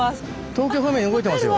東京方面に動いてますよ！